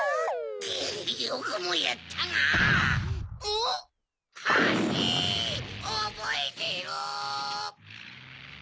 おぼえてろ！